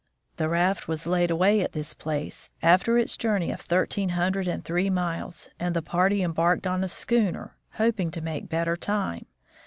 The raft was laid away at this place, after its journey of thirteen hundred and three miles, and the party embarked on a schooner, hoping to make better time.